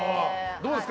どうですか？